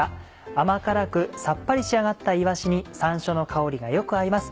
甘辛くさっぱり仕上がったいわしに山椒の香りがよく合います。